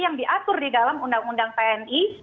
yang diatur di dalam undang undang tni